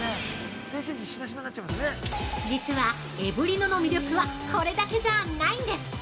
実はエブリノの魅力はこれだけじゃないんです！